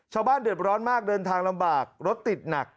ชาวบ้านเดือดร้อนมากเดินทางลำบากรถติดหนัก